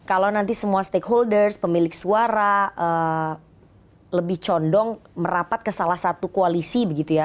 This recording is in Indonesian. kalau nanti semua stakeholders pemilik suara lebih condong merapat ke salah satu koalisi begitu ya